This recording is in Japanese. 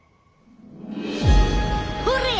ほれ！